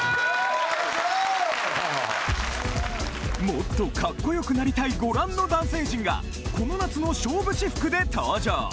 もっとカッコよくなりたいご覧の男性陣がこの夏の勝負私服で登場！